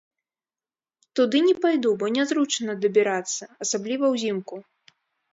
Туды не пайду, бо нязручна дабірацца, асабліва ўзімку.